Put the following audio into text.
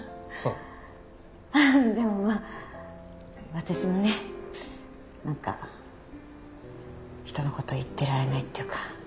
でもまあ私もね何か人のこと言ってられないっていうか。